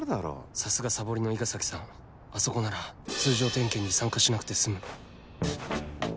さすがサボりの伊賀崎さんあそこなら通常点検に参加しなくて済む